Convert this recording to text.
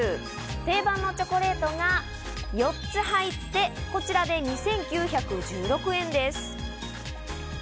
定番のチョコレートが４つ入って、こちらで２９１６円です。